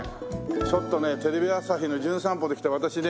ちょっとねテレビ朝日の『じゅん散歩』で来た私ね